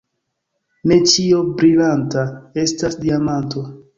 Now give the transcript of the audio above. Ne ĉio brilanta estas diamanto.